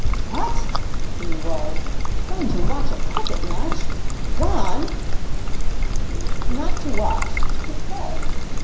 'What!' he roared. 'Gone to watch a cricket match! Gone !' 'Not to watch. To play.